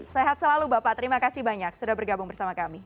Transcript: sehat selalu bapak terima kasih banyak sudah bergabung bersama kami